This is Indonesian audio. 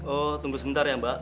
oh tunggu sebentar ya mbak